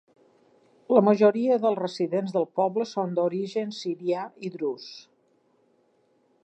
La majoria dels residents del poble són d'origen sirià i drus.